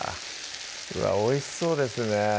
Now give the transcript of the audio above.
うわおいしそうですね